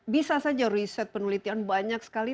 bisa saja riset penelitian banyak sekali